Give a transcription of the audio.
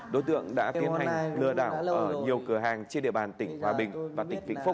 đối tượng đã tiến hành lừa đảo ở nhiều cửa hàng trên địa bàn tỉnh hòa bình và tỉnh vĩnh phúc